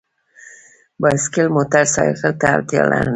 بایسکل موټرسایکل ته اړتیا نه لري.